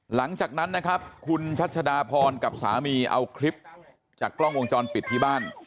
หลังจากนั้นนะครับคุณชัชดาพรกับสามีเอาคลิปจากกล้องวงจรปิดที่บ้าน